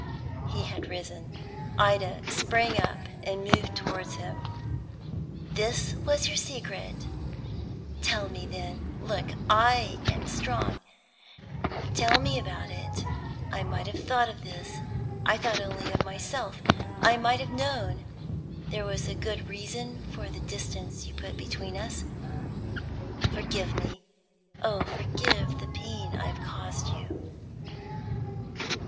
He had risen. Ida sprang up, and moved towards him. "This was your secret? Tell me, then. Look I am strong! Tell me about it. I might have thought of this. I thought only of myself. I might have known there was good reason for the distance you put between us. Forgive me oh, forgive the pain I have caused you!"